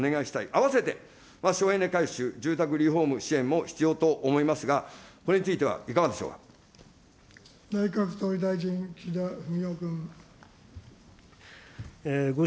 併せて、省エネ改修、住宅リフォーム支援も必要と思いますが、これについてはいかがで内閣総理大臣、岸田文雄君。